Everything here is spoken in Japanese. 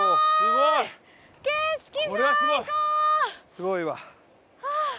すごいわ。